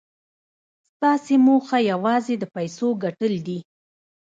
ستاسې موخه یوازې د پیسو ګټل دي